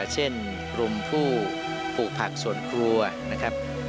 เช่นกลุ่มผู้ปลูกผักส่วนครัวนะครับ